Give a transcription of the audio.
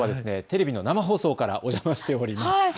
テレビの生放送からお邪魔しております。